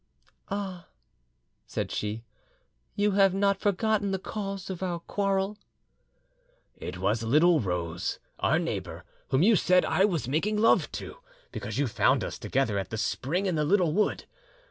"Ah," said she, "you have not forgotten the cause of our quarrel?" "It was little Rose, our neighbour, whom you said I was making love to, because you found us together at the spring in the little wood.